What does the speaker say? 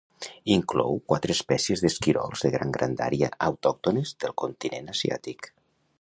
Inclou quatre espècies d'esquirols de gran grandària autòctones del continent asiàtic.